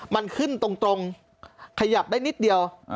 มันขึ้นตรงขยับได้นิดเดียว